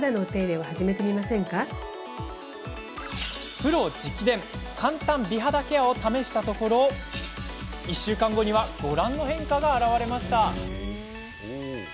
プロ直伝簡単美肌ケアを試したところ１週間後にはご覧の変化が現れました。